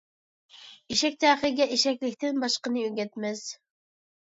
ئېشەك تەخىيىگە ئېشەكلىكتىن باشقىنى ئۆگەتمەس.